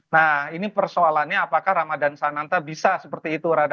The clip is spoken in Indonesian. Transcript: nah ini persoalannya apakah ramadan sananta bisa seperti itu rada